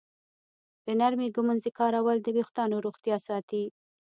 د نرمې ږمنځې کارول د ویښتانو روغتیا ساتي.